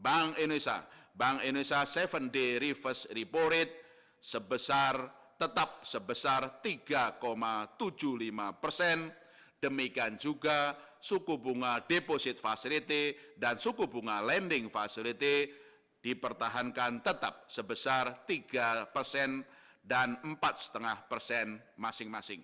dan bank indonesia tujuh day reverse report tetap sebesar tiga tujuh puluh lima persen demikian juga suku bunga deposit facility dan suku bunga lending facility dipertahankan tetap sebesar tiga persen dan empat lima persen masing masing